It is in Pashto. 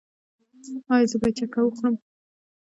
ایا زه باید چکه وخورم؟